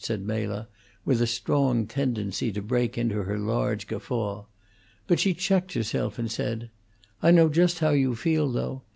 said Mela, with a strong tendency to break into her large guffaw. But she checked herself and said: "I know just how you feel, though.